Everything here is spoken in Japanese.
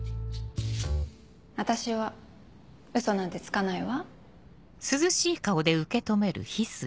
私はウソなんてつかないわ。